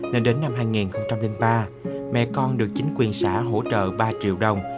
nên đến năm hai nghìn ba mẹ con được chính quyền xã hỗ trợ ba triệu đồng